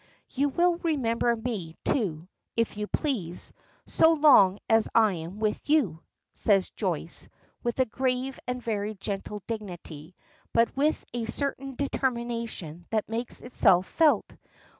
"You will remember me, too, if you please, so long as I am with you," says Joyce, with a grave and very gentle dignity, but with a certain determination that makes itself felt.